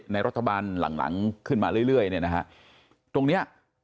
ในรัฐบาลหลังหลังขึ้นมาเรื่อยเนี่ยนะฮะตรงเนี้ย